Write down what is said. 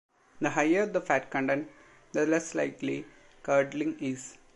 The higher the fat content, the less likely curdling is.